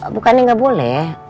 bukannya enggak boleh